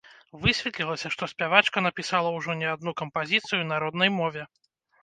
Высветлілася, што спявачка напісала ўжо не адну кампазіцыю на роднай мове.